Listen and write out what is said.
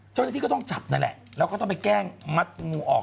เจ้าหน้าที่ก็ต้องจับนั่นแหละแล้วก็ต้องไปแกล้งมัดงูออก